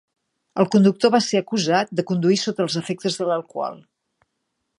El conductor va ser acusat de conduir sota els efectes de l'alcohol.